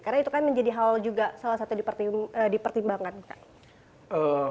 karena itu kan menjadi hal juga salah satu di pertimbangan pak